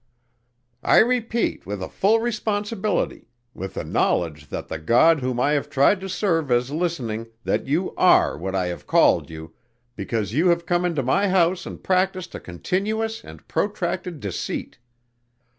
"I repeat with a full responsibility with the knowledge that the God whom I have tried to serve is listening, that you are what I have called you, because you have come into my house and practiced a continuous and protracted deceit.